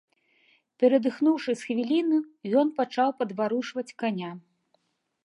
Перадыхнуўшы з хвіліну, ён пачаў падварушваць каня.